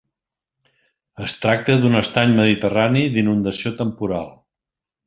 Es tracta d'un estany mediterrani d’inundació temporal.